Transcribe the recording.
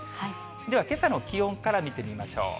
ではけさの気温から見てみましょう。